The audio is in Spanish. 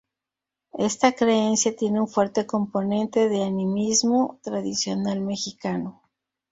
Esta creencia tiene un fuerte componente de animismo tradicional americano.